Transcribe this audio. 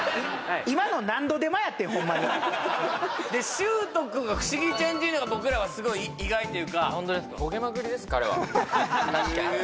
今の何度手間やってんホンマにで愁斗君が不思議ちゃんっていうのが僕らはすごい意外というかあっ